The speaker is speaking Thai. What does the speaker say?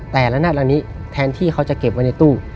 แต่ละนาดละนี้แทนที่เขาจะเก็บไว้ในตู้